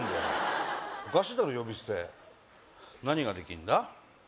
おかしいだろ呼び捨て何ができんだ？